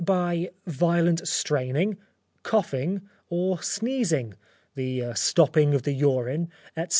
by violent straining, coughing, or sneezing, the stoppage of the urine, etc.